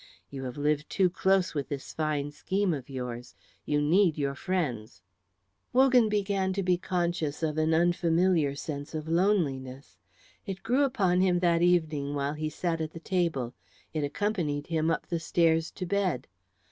You have lived too close with this fine scheme of yours. You need your friends." Wogan began to be conscious of an unfamiliar sense of loneliness. It grew upon him that evening while he sat at the table; it accompanied him up the stairs to bed.